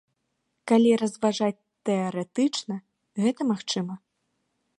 Калі разважаць тэарэтычна, гэта магчыма.